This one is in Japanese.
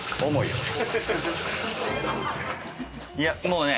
いやもうね。